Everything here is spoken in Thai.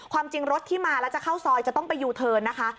จริงรถที่มาแล้วจะเข้าซอยจะต้องไปยูเทิร์นนะคะ